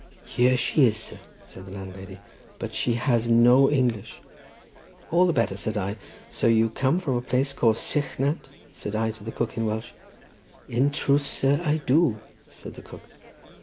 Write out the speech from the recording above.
"Here she is, sir," said the landlady, "but she has no English." "All the better," said I. "So you come from a place called Sychnant?" said I to the cook in Welsh. "In truth, sir, I do," said the cook.